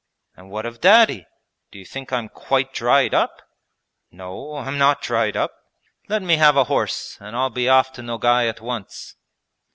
'And what of Daddy? Do you think I am quite dried up? ... No, I'm not dried up. Let me have a horse and I'll be off to Nogay at once.'